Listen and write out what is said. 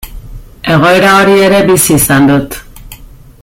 Egoera hori ere bizi izan dut.